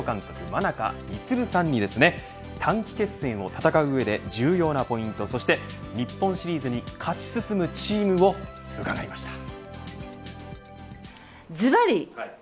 真中満さんに短期決戦を戦う上で重要なポイントそして日本シリーズに勝ち進むチームを伺いました。